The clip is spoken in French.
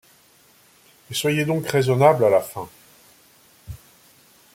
Mais soyez donc raisonnable, à la fin !